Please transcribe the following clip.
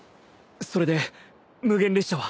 それで無限列車は？